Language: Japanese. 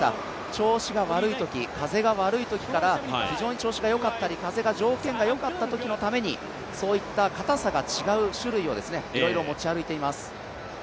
調子が悪いとき、風が悪いときから非常に調子が良かったり、風の条件が良かったときのためにそういったかたさが違う種類をいろいろ持ち歩いています。